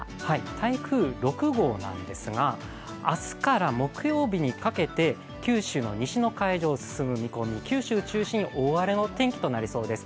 台風６号なんですが、明日から木曜日にかけて九州の西の海上を進む見込み、九州中心に大荒れの天気となりそうです。